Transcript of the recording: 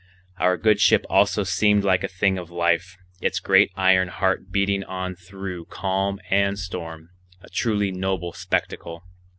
Our good ship also seemed like a thing of life, its great iron heart beating on through calm and storm, a truly noble spectacle.